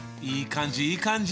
いい感じ！